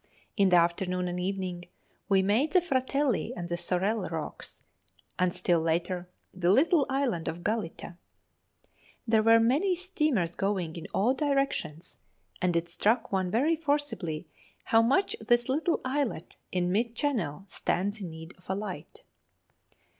In the afternoon and evening we made the Fratelli and the Sorelle Rocks, and still later the little Island of Galita. There were many steamers going in all directions, and it struck one very forcibly how much this little islet in mid channel stands in need of a light.